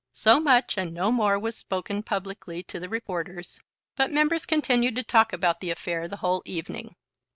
So much and no more was spoken publicly, to the reporters; but members continued to talk about the affair the whole evening.